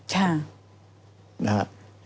ใช่